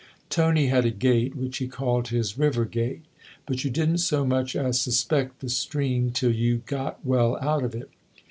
Tony had a gate which he called his river gate, but you didn't so much as suspect the stream till you got well out of it.